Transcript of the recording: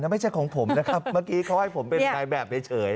ไม่ใช่ของผมนะครับเมื่อกี้เขาให้ผมเป็นนายแบบเฉย